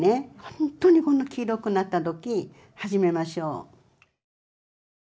ほんっとにこんな黄色くなった時始めましょう。